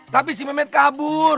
tapi si memet kabur